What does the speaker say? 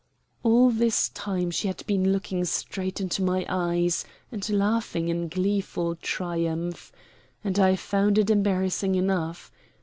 All this time she had been looking straight into my eyes, and laughing in gleeful triumph. And I found it embarrassing enough.